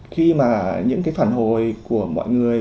khi mà những cái phản hồi của mọi người